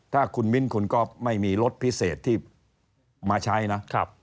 ถ้าคุณมิ้นคุณก็ไม่มีรถพิเศษที่มาใช้นะ